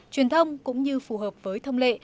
truyền thông cũng như phù hợp với thông lệ